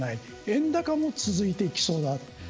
円高も続いていきそうだ。